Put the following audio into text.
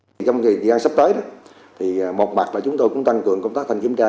trong thời gian sắp tới thì một mặt là chúng tôi cũng tăng cường công tác thanh kiểm tra